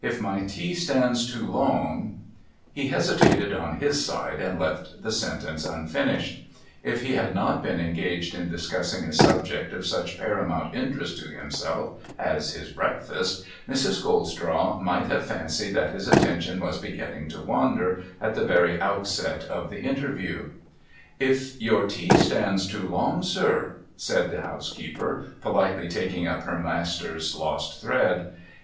If my tea stands too long ' He hesitated, on his side, and left the sentence unfinished. If he had not been engaged in discussing a subject of such paramount interest to himself as his breakfast, Mrs. Goldstraw might have fancied that his attention was beginning to wander at the very outset of the interview. 486 NO THOROUGHFARE 'If your tea stands too long, sir ?' said the housekeeper, politely taking up her master's lost thread.